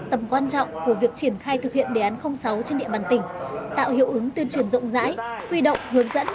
tầm quan trọng của việc triển khai thực hiện đề án sáu trên địa bàn tỉnh tạo hiệu ứng tuyên truyền rộng rãi quy động hướng dẫn